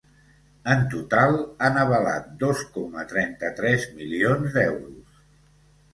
En total, han avalat dos coma trenta-tres milions d’euros.